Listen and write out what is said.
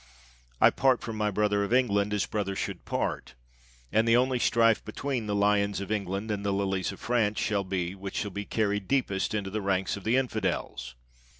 I part from my brother of England as brother should part, and the only strife between the Lions of England and the LiHes of France shall be, which shall be carried deepest into the ranks of the infidels."